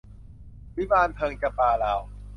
วิมานเพลิง - จำปาลาว